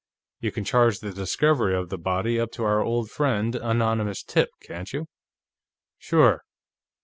You can charge the discovery of the body up to our old friend, Anonymous Tip, can't you?" "Sure."